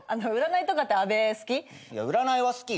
占いとかって安部好き？